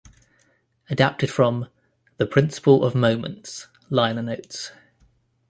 Adapted from "The Principle of Moments" liner notes.